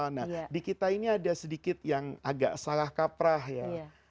nah di kita ini ada sedikit yang agak salah kaprah ya